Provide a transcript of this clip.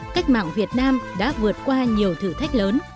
cách mạng việt nam đã vượt qua nhiều thử thách lớn